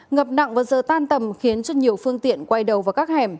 ngập nặng vào giờ tan tầm khiến cho nhiều phương tiện quay đầu vào các hẻm